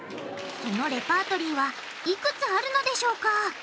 そのレパートリーはいくつあるのでしょうか？